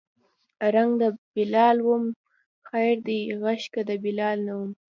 رنګ د بلال وم خیر دی غږ که د بلال نه وم